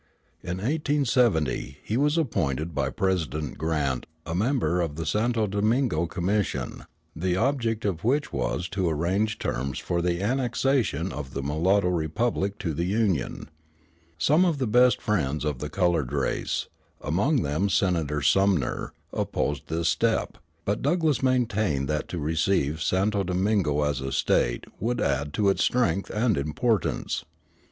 In 1870 he was appointed by President Grant a member of the Santo Domingo Commission, the object of which was to arrange terms for the annexation of the mulatto republic to the Union. Some of the best friends of the colored race, among them Senator Sumner, opposed this step; but Douglass maintained that to receive Santo Domingo as a State would add to its strength and importance.